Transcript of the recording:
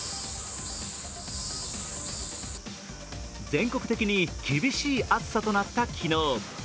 全国的に厳しい暑さとなった昨日。